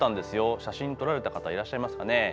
写真撮られた方いらっしゃいますかね。